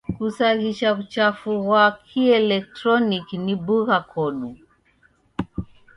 Kusaghisa w'uchafu ghwa kieletroniki ni bugha kodu.